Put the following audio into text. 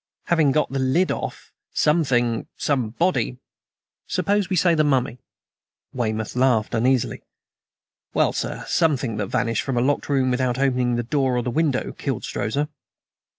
"Having got the lid off, something, somebody " "Suppose we say the mummy?" Weymouth laughed uneasily. "Well, sir, something that vanished from a locked room without opening the door or the window killed Strozza."